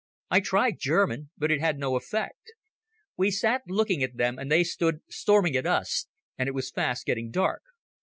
I tried German, but it had no effect. We sat looking at them and they stood storming at us, and it was fast getting dark.